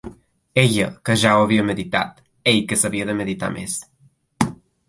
Ella, que ja ho havia meditat; ell, que s'havia de meditar més